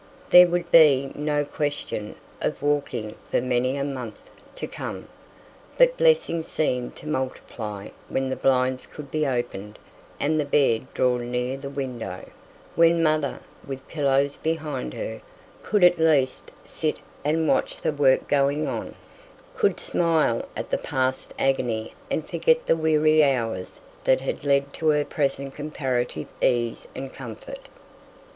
There would be no question of walking for many a month to come, but blessings seemed to multiply when the blinds could be opened and the bed drawn near the window; when mother, with pillows behind her, could at least sit and watch the work going on, could smile at the past agony and forget the weary hours that had led to her present comparative ease and comfort.